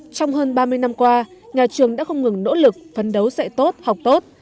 trong hơn ba mươi năm qua nhà trường đã không ngừng nỗ lực phấn đấu dạy tốt học tốt